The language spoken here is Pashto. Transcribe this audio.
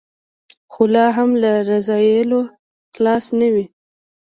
خو لا هم له رذایلو خلاص نه وي.